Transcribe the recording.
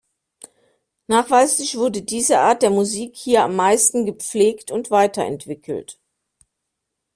Nachweislich wurde diese Art der Musik hier am meisten gepflegt und weiterentwickelt.